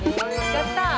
やったー！